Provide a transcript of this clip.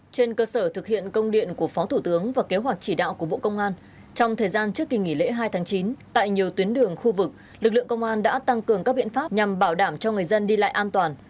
trên cơ sở thực hiện công điện của phó thủ tướng và kế hoạch chỉ đạo của bộ công an trong thời gian trước kỳ nghỉ lễ hai tháng chín tại nhiều tuyến đường khu vực lực lượng công an đã tăng cường các biện pháp nhằm bảo đảm cho người dân đi lại an toàn